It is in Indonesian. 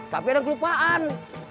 tapi ada kelupaan